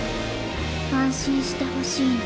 安心してほしいの。